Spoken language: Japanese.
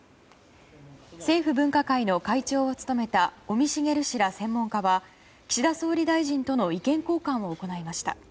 政府分科会の会長を務めた尾身茂氏ら専門家は岸田総理大臣との意見交換を行いました。